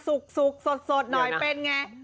สดหน่อยเป็นไง